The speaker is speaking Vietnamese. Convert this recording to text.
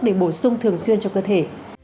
để bổ sung thường xuyên cho cơ thể